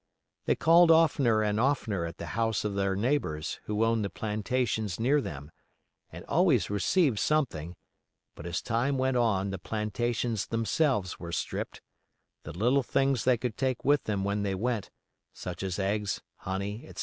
They called oftener and oftener at the house of their neighbors who owned the plantations near them, and always received something; but as time went on the plantations themselves were stripped; the little things they could take with them when they went, such as eggs, honey, etc.